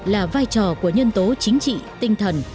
là vai trò của nhân tố chính trị tinh thần